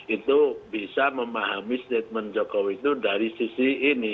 itu bisa memahami statement jokowi itu dari sisi ini